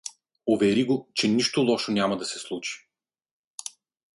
Увери го, че нищо лошо няма да се случи.